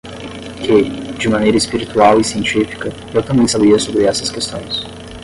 Que, de maneira espiritual e científica, eu também sabia sobre essas questões.